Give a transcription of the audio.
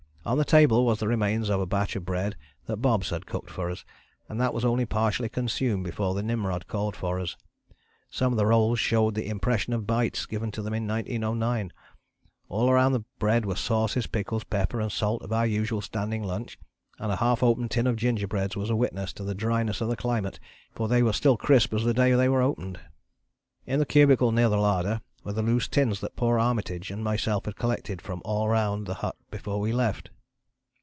On the table was the remains of a batch of bread that Bobs had cooked for us and that was only partially consumed before the Nimrod called for us. Some of the rolls showed the impression of bites given to them in 1909. All round the bread were the sauces, pickles, pepper and salt of our usual standing lunch, and a half opened tin of gingerbreads was a witness to the dryness of the climate for they were still crisp as the day they were opened. "In the cubicle near the larder were the loose tins that poor Armytage and myself had collected from all round the hut before we left.